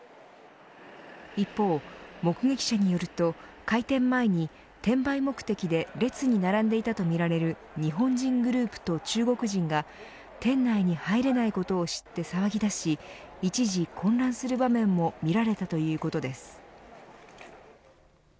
一方目撃者によると、開店前に転売目的で列に並んでいたとみられる日本人グループと中国人が店内に入れないことを知って騒ぎ出し一時混乱する場面も見られたということです。